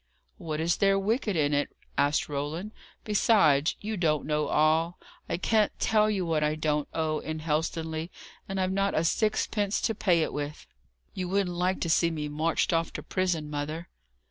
"What is there wicked in it?" asked Roland. "Besides, you don't know all. I can't tell you what I don't owe in Helstonleigh, and I've not a sixpence to pay it with. You wouldn't like to see me marched off to prison, mother."